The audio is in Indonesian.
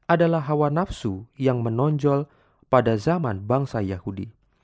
adalah hawa nafsu yang menonjol pada zaman bangsa yahudi